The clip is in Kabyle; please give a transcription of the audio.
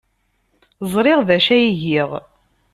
Ẓriɣ d acu ay giɣ.